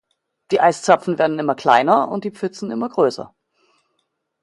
Die Eiszapfen werden immer kleiner und die Pfützen immer größer.